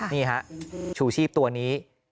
นี่ฮะชูชีพตัวนี้